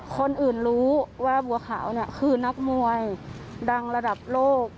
คนอื่นรู้ว่าบัวขาวคือนักมวยดังระดับโลก